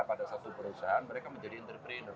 pada satu perusahaan mereka menjadi entrepreneur